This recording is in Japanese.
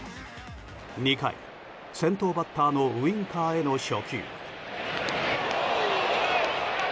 ２回、先頭バッターのウインカーへの初球。